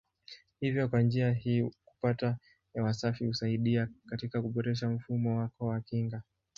Hivyo kwa njia hii kupata hewa safi husaidia katika kuboresha mfumo wako wa kinga.